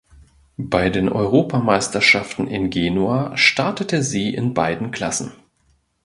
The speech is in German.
Bei den Europameisterschaften in Genua startete sie in beiden Klassen.